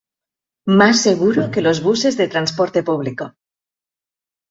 Más seguro que los buses de transporte público.